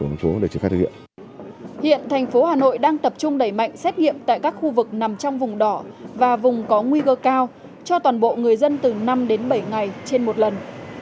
hiện thành phố hà nội đang tập trung đẩy mạnh xét nghiệm tại các khu vực nằm trong vùng đỏ và vùng có nguy cơ cao cho toàn bộ người dân từ năm đến bảy ngày trên một lần